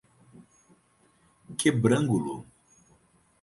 Quebrangulo